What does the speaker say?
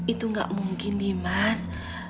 itu gak mungkin dimas